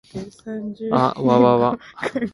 あっわわわ